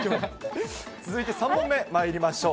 続いて３問目、まいりましょう。